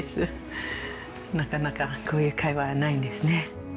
なかなかこういう会話ないですね。